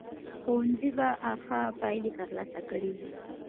ښوونځي به ښه پایلې ترلاسه کړې وي.